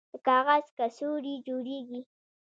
د کاغذ کڅوړې جوړیږي؟